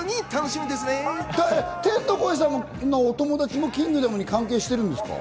天の声さんのお友達も『キングダム』に関係してるんですか？